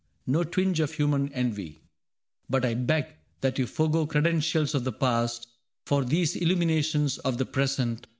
No twinge of human envy. But I beg That you forego credentials of the past For these illuminations of the present.